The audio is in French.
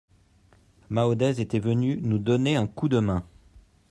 Maodez était venu nous donner un coup de main.